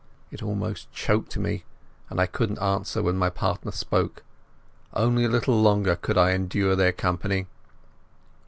It almost choked me, and I couldn't answer when my partner spoke. Only a little longer could I endure their company.